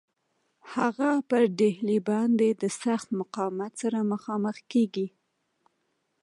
هغه پر ډهلي باندي د سخت مقاومت سره مخامخ کیږي.